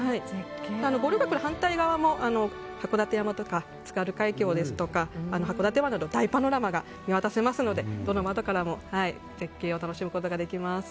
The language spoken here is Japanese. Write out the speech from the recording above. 五稜郭の反対側も函館山とか津軽海峡ですとか函館湾など大パノラマが見渡せますのでどの窓からも絶景を楽しむことができます。